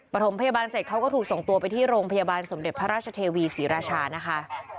ประถมพยาบาลเสร็จเขาก็ถูกส่งตัวไปที่โรงพยาบาลสมเด็จพระราชเทวีศรีราชานะคะ